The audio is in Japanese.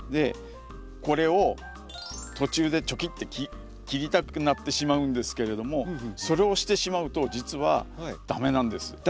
これを途中でチョキって切りたくなってしまうんですけれどもそれをしてしまうと実は駄目なんです。